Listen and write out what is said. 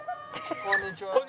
こんにちは。